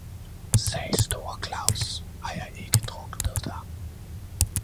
sagde store Claus, har jeg ikke druknet dig?